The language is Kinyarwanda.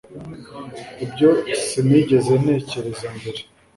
ibyo sinigeze ntekereza mbere